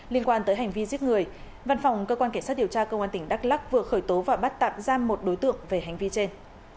liên quan tới hành vi giết người văn phòng cơ quan cảnh sát điều tra công an tỉnh đắk lắc vừa khởi tố và bắt tạm giam một đối tượng về hành vi trên